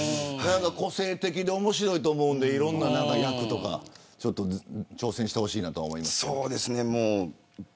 個性的で面白いと思うのでいろんな役とか挑戦してほしいなと思います。